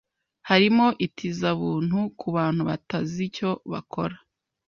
Harimo itizabuntu kubantu bataziicyo bakora